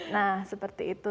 nah seperti itu